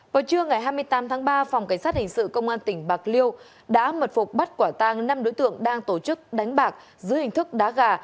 vào trưa ngày hai mươi tám tháng ba phòng cảnh sát hình sự công an tỉnh bạc liêu đã mật phục bắt quả tang năm đối tượng đang tổ chức đánh bạc dưới hình thức đá gà